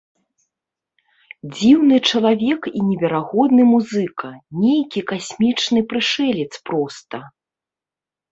Дзіўны чалавек і неверагодны музыка, нейкі касмічны прышэлец проста!